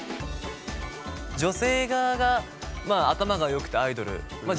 女性側がまあ頭がよくてアイドルまあ